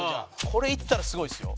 これいったらすごいですよ。